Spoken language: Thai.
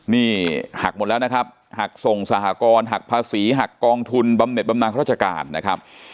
นี่หักหมดแล้วนะครับหักส่งสหกรณ์หักภาษีหักกองทุนบำเน็ตบำนานราชการนะครับ